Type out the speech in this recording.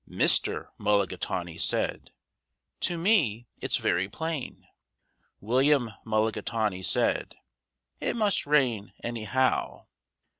Mr. Mulligatawny said, "To me it's very plain." William Mulligatawny said, "It must rain, anyhow."